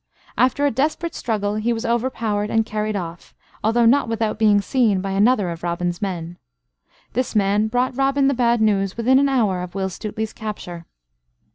After a desperate struggle he was overpowered and carried off, although not without being seen by another of Robin's men. This man brought Robin the bad news within an hour of Will Stuteley's capture.